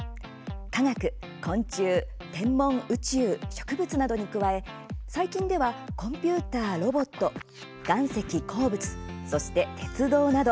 科学、昆虫、天文、宇宙、植物などに加え最近ではコンピューター、ロボット、岩石鉱物、そして鉄道など。